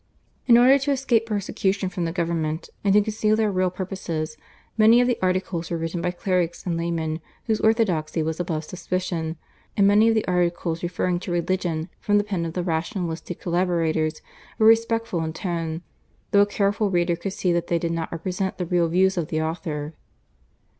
In order to escape persecution from the government and to conceal their real purposes many of the articles were written by clerics and laymen whose orthodoxy was above suspicion, and many of the articles referring to religion from the pen of the rationalistic collaborateurs were respectful in tone, though a careful reader could see that they did not represent the real views of the author.